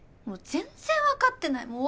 もう全然分かってない！